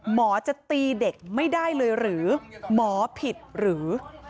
หมอจะตีเด็กไม่ได้เลยหรือหมอผิดหรือ